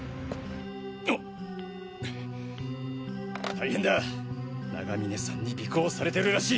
大変だ永峰さんに尾行されてるらしい！